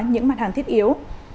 những mặt hàng thiết yếu